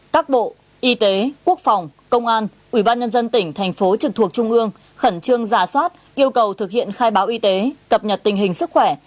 ba các bộ y tế quốc phòng công an ủy ban nhân dân tỉnh thành phố trực thuộc trung ương khẩn trương giả soát yêu cầu thực hiện khai báo y tế cập nhật tình hình sức khỏe